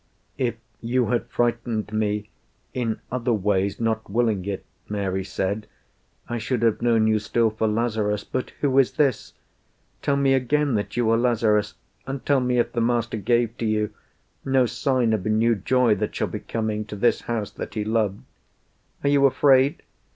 "If you had frightened me in other ways, Not willing it," Mary said, "I should have known You still for Lazarus. But who is this? Tell me again that you are Lazarus; And tell me if the Master gave to you No sign of a new joy that shall be coming To this house that He loved. Are you afraid?